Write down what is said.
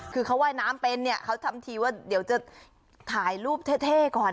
คือเขาว่ายน้ำเป็นเนี่ยเขาทำทีว่าเดี๋ยวจะถ่ายรูปเท่ก่อน